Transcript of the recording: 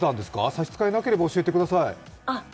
差し支えなければ教えてください。